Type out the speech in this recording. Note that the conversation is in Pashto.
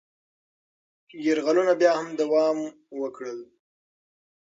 یرغلونه بیا هم دوام وکړل.